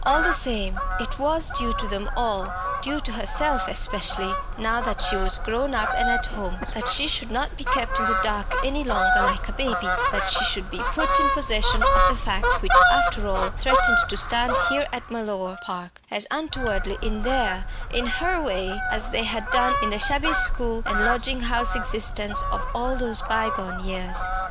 All the same, it was due to them all, due to herself especially, now that she was grown up and at home, that she should not be kept in the dark any longer like a baby, that she should be put in possession of the facts which, after all, threatened to stand here at Mellor Park, as untowardly in their, in her way, as they had done in the shabby school and lodging house existence of all those bygone years.